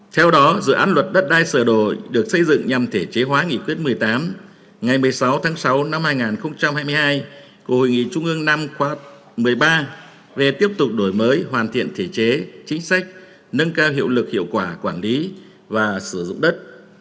theo đó dự án luật đất đai sửa đổi được xây dựng nhằm thể chế hóa nghị quyết một mươi tám ngày một mươi sáu tháng sáu năm hai nghìn hai mươi hai của hội nghị trung ương năm khóa một mươi ba về tiếp tục đổi mới hoàn thiện thể chế chính sách nâng cao hiệu lực hiệu quả quản lý và sử dụng đất